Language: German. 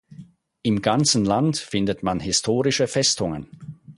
Im ganzen Land findet man historische Festungen.